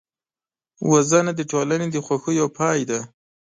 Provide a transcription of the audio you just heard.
وژنه د ټولنې د خوښیو پای دی